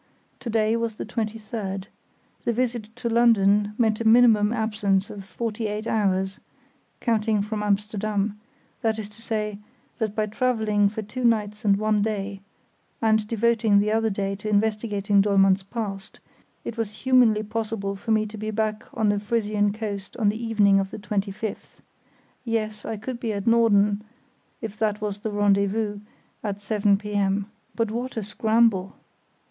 To day was the 23rd. The visit to London meant a minimum absence of forty eight hours, counting from Amsterdam; that is to say, that by travelling for two nights and one day, and devoting the other day to investigating Dollmann's past, it was humanly possible for me to be back on the Frisian coast on the evening of the 25th. Yes, I could be at Norden, if that was the "rendezvous", at 7 p.m. But what a scramble!